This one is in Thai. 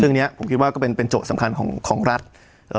เนี้ยผมคิดว่าก็เป็นเป็นโจทย์สำคัญของของรัฐเอ่อ